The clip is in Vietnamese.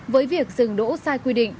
với việc dừng đỗ sai quy định